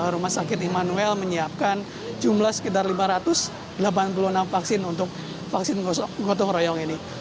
rumah sakit immanuel menyiapkan jumlah sekitar lima ratus delapan puluh enam vaksin untuk vaksin gotong royong ini